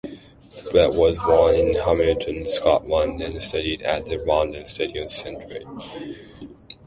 Brett was born in Hamilton, Scotland, and studied at the London Studio Centre.